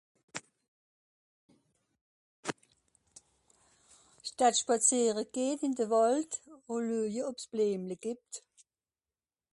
Ìch datt datt spàzìere gehn ìn de Wàld, ùn lueje ob's Blìemle gìbbt.